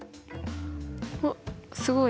おっすごい。